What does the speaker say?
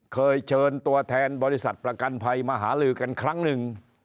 เคยเชิญตัวแทนบริษัทประกันภัยมาหาลือกันครั้งหนึ่ง